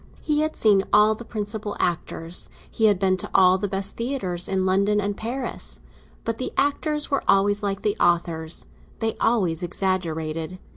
He had seen all the principal actors—he had been to all the best theatres in London and Paris. But the actors were always like the authors—they always exaggerated.